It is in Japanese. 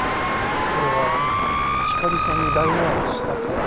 それはひかりさんに代替わりしたから？